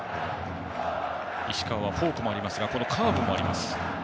石川はフォークもありますがカーブもあります。